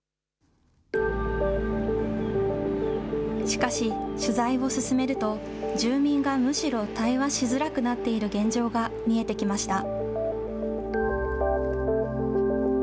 しかし、取材を進めると、住民がむしろ対話しづらくなっている現状が見えてきました。